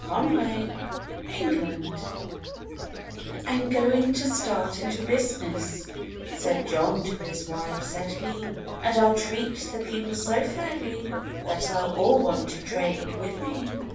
GOOD ADVERTISING "I am going to start into business," Said John to his wife, said he— "And I'll treat the people so fairly That they'll all want to trade with me."